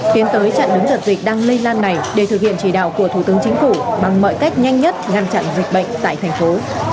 tiến tới chặn đứng đợt dịch đang lây lan này để thực hiện chỉ đạo của thủ tướng chính phủ bằng mọi cách nhanh nhất ngăn chặn dịch bệnh tại thành phố